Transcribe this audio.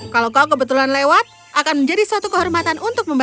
kalau kau kebetulan lewat akan menjadi suatu kehormatan